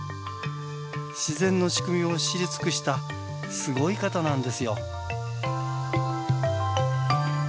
自然の仕組みを知り尽くしたすごい方なんですよ。